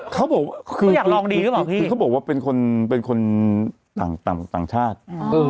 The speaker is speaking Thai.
เขาแยกลองดิรึเปล่าพี่คือเขาบอกว่าเป็นคนเป็นคนต่างต่างต่างชาติ